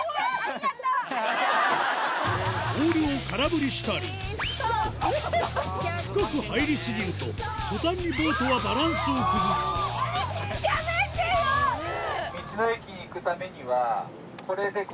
オールを空振りしたり深く入りすぎると途端にボートはバランスを崩すやめてよ！